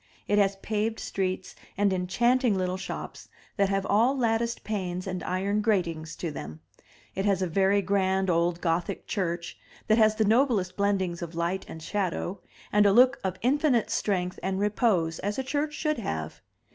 It has paved streets and enchanting little shops that have all latticed panes and iron gratings to them; it has a very grand old Gothic church, that has the noblest blendings of light and shadow, and a look of infinite strength and repose as a church should have.